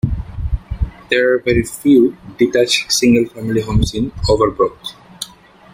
There are very few detached single-family homes in Overbrook.